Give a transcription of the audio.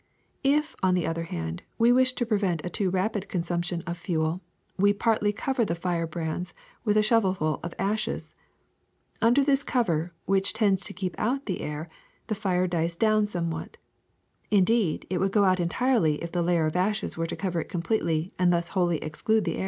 *^If, on the other hand, we wish to prevent a too rapid consumption of fuel, we partly cover the fire brands with a shovelful of ashes. Under this cover, which tends to keep out the air, the fire dies down somewhat. Indeed, it would go out entirely if the layer of ashes were to cover it completely and thus wholly exclude the air.